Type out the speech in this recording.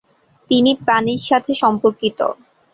তিনি পানির সাথে সম্পর্কিত।